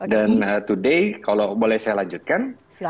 dan today kalau boleh saya lanjutkan